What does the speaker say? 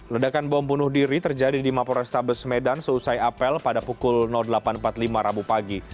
ledakan bom bunuh diri terjadi di mapo restabes medan seusai apel pada pukul delapan empat puluh lima rabu pagi